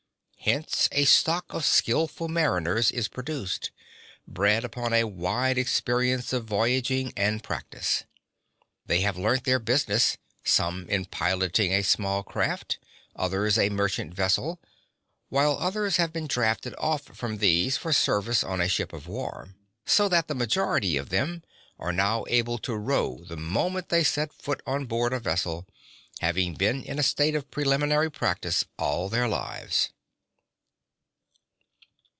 Hence a stock of skilful mariners is produced, bred upon a wide experience of voyaging and practice. They have learnt their business, some in piloting a small craft, others a merchant vessel, whilst others have been drafted off from these for service on a ship of war. So that the majority of them are able to row the moment they set foot on board a vessel, having been in a state of preliminary practice all their lives.